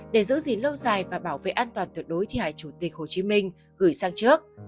để giữ gìn lâu dài và bảo vệ an toàn tuyệt đối thi hài chủ tịch hồ chí minh gửi sang trước